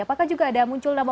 apakah juga ada muncul nama